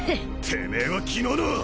てめえは昨日の！